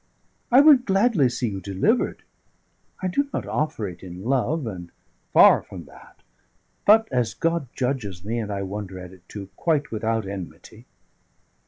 I would gladly see you delivered. I do not offer it in love, and far from that; but, as God judges me and I wonder at it too! quite without enmity."